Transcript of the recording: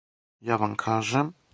Ја вам кажем.